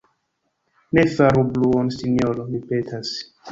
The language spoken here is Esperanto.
Ne faru bruon, sinjoro, mi petas.